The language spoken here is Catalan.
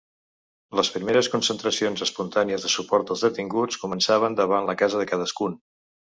Les primeres concentracions espontànies de suport als detinguts començaven davant la casa de cadascun.